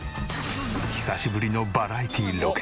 久しぶりのバラエティロケ。